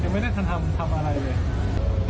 ยังไม่ได้ทำอะไรเลย